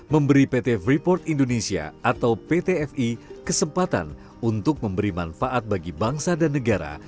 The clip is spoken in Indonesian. memberi pt freeport indonesia atau pt fi kesempatan untuk memberi manfaat bagi bangsa dan negara